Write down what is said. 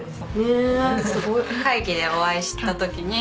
会議でお会いしたときに